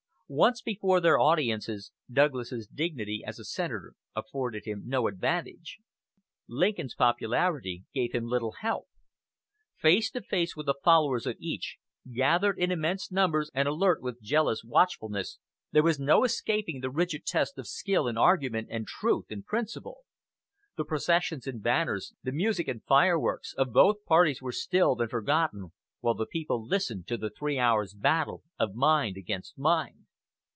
Once before their audiences, Douglas's dignity as a senator afforded him no advantage, Lincoln's popularity gave him little help. Face to face with the followers of each, gathered in immense numbers and alert with jealous watchfulness, there was no escaping the rigid test of skill in argument and truth in principle. The processions and banners, the music and fireworks, of both parties were stilled and forgotten while the people listened to the three hours' battle of mind against mind.